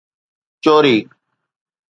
چوري